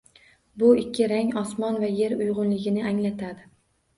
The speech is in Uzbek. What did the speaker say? Bu ikki rang osmon va yer uyg‘unligini anglatadi.